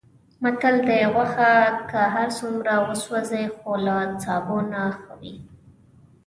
متل دی: غوښه که هرڅومره وسوځي، خو له سابو نه ښه وي.